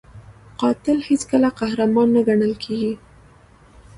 قاتل هیڅکله قهرمان نه ګڼل کېږي